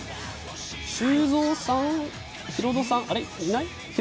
修造さん、ヒロドさん、いない？